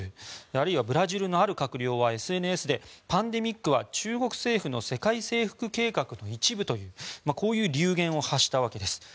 あるいは、ブラジルのある閣僚はＳＮＳでパンデミックは中国政府の世界征服計画の一部という流言を発したわけです。